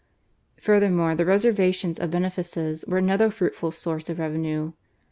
Furthermore, the reservations of benefices were another fruitful source of revenue.